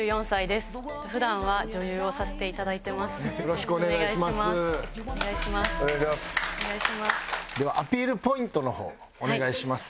ではアピールポイントの方お願いします。